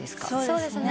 そうですね。